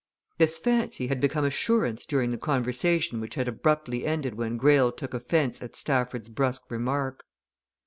This fancy had become assurance during the conversation which had abruptly ended when Greyle took offence at Stafford's brusque remark.